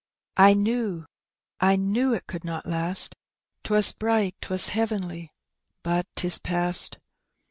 I knew, I knew it could not last; 'Twas bright, 'twas heavenly, but 'tis past.